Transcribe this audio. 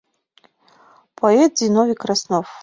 Поэт Зиновий Краснов